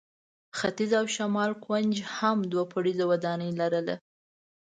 ختیځ او شمال کونج هم دوه پوړیزه ودانۍ لرله.